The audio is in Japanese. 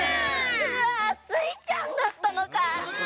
うわスイちゃんだったのかぁ！